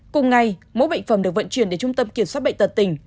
cùng ngày mẫu bệnh phẩm được vận chuyển đến trung tâm kiểm soát bệnh tật tỉnh